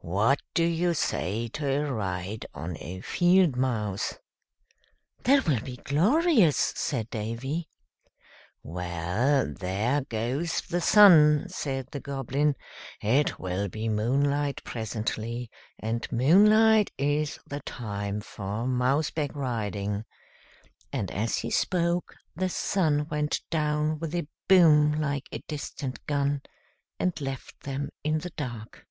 "What do you say to a ride on a field mouse?" "That will be glorious!" said Davy. [Illustration: "'FRECKLES,' SAID THE GOBLIN, 'WHAT TIME IS IT?'"] "Well, there goes the sun," said the Goblin; "it will be moonlight presently, and moonlight is the time for mouse back riding;" and as he spoke, the sun went down with a boom like a distant gun, and left them in the dark.